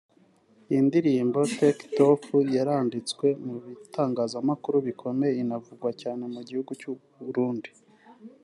Iyi ndirimbo ‘Take it Off’ yaranditswe mu bitangazamakuru bikomeye inavugwa cyane mu gihugu cy’u Burundi